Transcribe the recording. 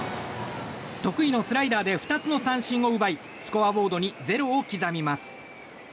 得意のスライダーで２つの三振を奪いスコアボードにゼロを刻みます。